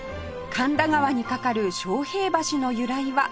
神田川に架かる昌平橋の由来は